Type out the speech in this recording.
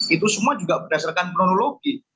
itu semua juga berdasarkan kronologi